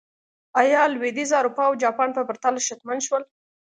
ایا لوېدیځه اروپا او جاپان په پرتله شتمن شول.